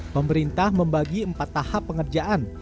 pemerintah membagi empat tahap pengerjaan